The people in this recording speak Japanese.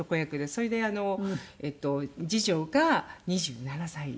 それで次女が２７歳です。